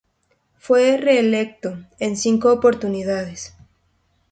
Fue reelecto en cinco oportunidades.